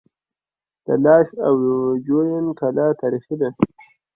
د لاش او جوین کلا تاریخي ده